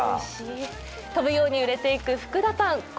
飛ぶように売れていく福田パン。